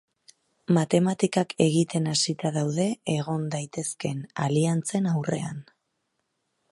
Matematikak egiten hasita daude egon daitezkeen aliantzen aurrean.